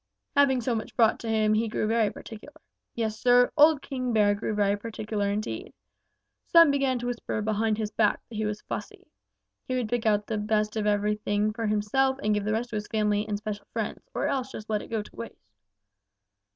Having so much brought to him, he grew very particular. Yes, Sir, old King Bear grew very particular indeed. Some began to whisper behind his back that he was fussy. He would pick out the very best of everything for himself and give the rest to his family and special friends or else just let it go to waste.